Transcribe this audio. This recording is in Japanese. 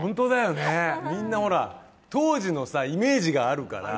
みんな、当時のイメージがあるから。